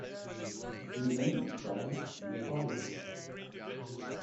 He then travelled in the Far East.